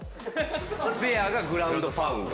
⁉スペアがグランドパウンド。